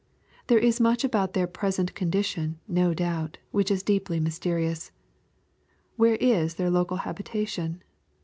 There is much about their present condition, no doubt, which is deeply mysterious. Where is their local habi tation